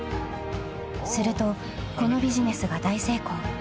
［するとこのビジネスが大成功］